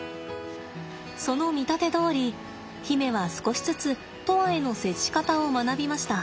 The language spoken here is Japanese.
その見立てどおり媛は少しずつ砥愛への接し方を学びました。